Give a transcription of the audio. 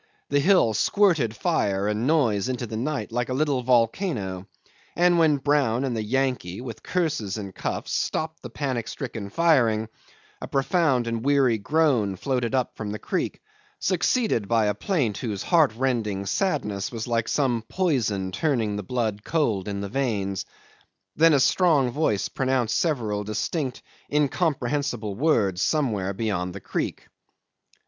The hill squirted fire and noise into the night like a little volcano, and when Brown and the Yankee with curses and cuffs stopped the panic stricken firing, a profound, weary groan floated up from the creek, succeeded by a plaint whose heartrending sadness was like some poison turning the blood cold in the veins. Then a strong voice pronounced several distinct incomprehensible words somewhere beyond the creek.